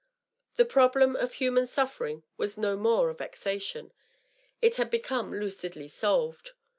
The problem of human suffering was no more a vexation ; it had be come lucidly solved.